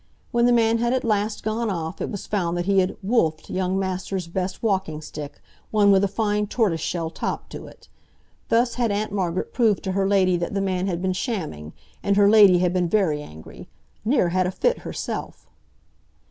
When the man had at last gone off, it was found that he had "wolfed" young master's best walking stick, one with a fine tortoise shell top to it. Thus had Aunt Margaret proved to her lady that the man had been shamming, and her lady had been very angry—near had a fit herself!